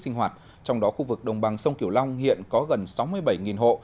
sinh hoạt trong đó khu vực đồng bằng sông kiểu long hiện có gần sáu mươi bảy hộ